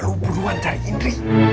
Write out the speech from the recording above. lu buruan cari indri